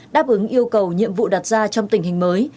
đáp ứng yêu cầu nhiệm vụ đặt ra trong tình hình mới